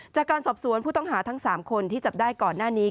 จากการสอบสวนผู้ต้องหาทั้ง๓คนที่จับได้ก่อนหน้านี้